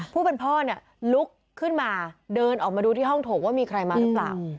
ผู้เป็นพ่อเนี่ยลุกขึ้นมาเดินออกมาดูที่ห้องโถงว่ามีใครมาหรือเปล่า